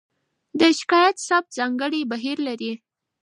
د شکایت ثبت ځانګړی بهیر لري.